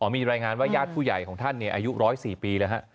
มีรายงานว่าญาติผู้ใหญ่ของท่านอายุ๑๐๔ปีแล้วฮะ